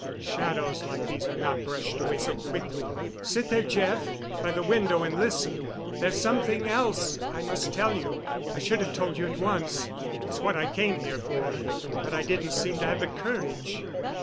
Shadows like these are not brushed away so quickly. Sit there, Jeff, by the window and listen. There's something else I must tell you—I should have told you at once. It's what I came here for, but I didn't seem to have the courage."